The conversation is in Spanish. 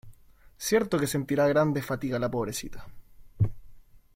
cierto que sentirá grande fatiga la pobrecita.